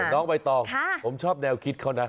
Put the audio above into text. น้องใบตองผมชอบแนวคิดเขานะ